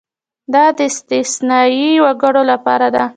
دا د استثنايي وګړو لپاره ده.